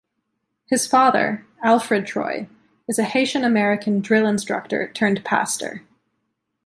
His father, Alfred Troy, is a Haitian-American drill instructor turned pastor.